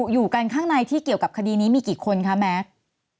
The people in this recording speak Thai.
อยู่กันข้างในที่เกี่ยวกับคดีนี้มีกี่คนคะแม็กซ์